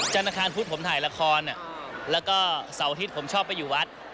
ธนาคารพุธผมถ่ายละครแล้วก็เสาร์อาทิตย์ผมชอบไปอยู่วัด